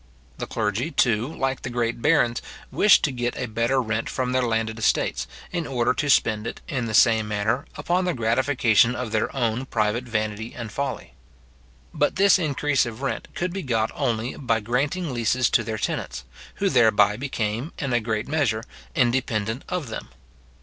The clergy, too, like the great barons, wished to get a better rent from their landed estates, in order to spend it, in the same manner, upon the gratification of their own private vanity and folly. But this increase of rent could be got only by granting leases to their tenants, who thereby became, in a great measure, independent of them.